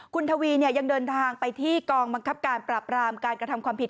คุณทวียังเดินทางไปที่กองบังคับการปราบรามการกระทำความผิด